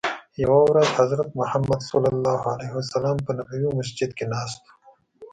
یوه ورځ حضرت محمد په نبوي مسجد کې ناست وو.